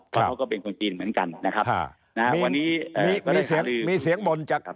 เพราะเขาก็เป็นคนจีนเหมือนกันนะครับ